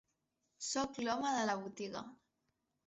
Soc l'home de la botiga.